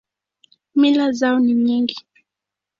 Mila zao ni nyingi.